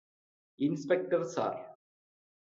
inspector sir